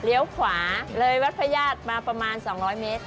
เลี้ยวขวาเลยวัดพญาติมาประมาณ๒๐๐เมตร